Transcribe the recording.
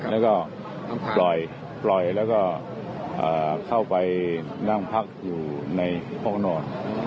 แล้วก็ปล่อยแล้วก็เข้าไปนั่งพักอยู่ในห้องนอน